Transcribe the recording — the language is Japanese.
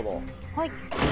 はい。